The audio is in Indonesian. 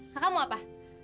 kakak mau apa